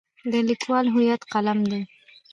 د لیکوال هویت قلم دی.